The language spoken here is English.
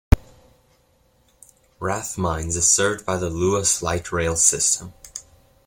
Rathmines is served by the Luas light rail system.